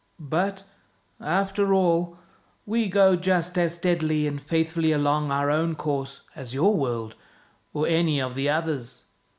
But, after all, we go just as steadily and faithfully along our own course as your world or any of the others."